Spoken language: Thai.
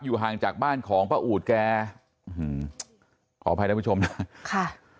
อยู่ห่างจากบ้านของป้าอูดแกขออภัยนะผู้ชมค่ะ